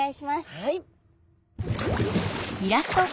はい。